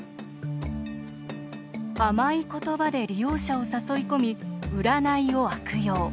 甘い言葉で利用者を誘い込み占いを悪用。